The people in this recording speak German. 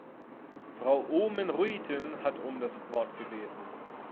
Frau Oomen-Ruijten hat um das Wort gebeten.